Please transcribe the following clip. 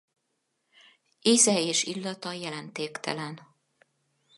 Íze és illata jelentéktelen.